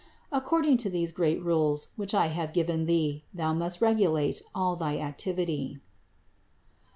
According to these great rules which I have given thee thou must regulate all thy activity.